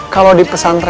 kalau di pesantren aja